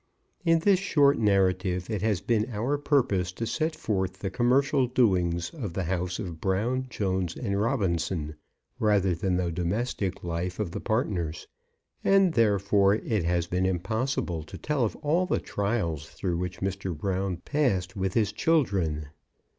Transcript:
In this short narrative it has been our purpose to set forth the commercial doings of the house of Brown, Jones, and Robinson, rather than the domestic life of the partners, and, therefore, it has been impossible to tell of all the trials through which Mr. Brown passed with his children.